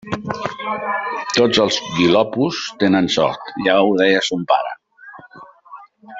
Tots els guilopos tenen sort: ja ho deia son pare.